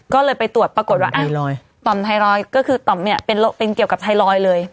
ก็เลยไปตรวจปรากฏว่าต่อมไทรอยด์ก็คือต่อมเนี่ยเป็นเกี่ยวกับไทรอยด์เลย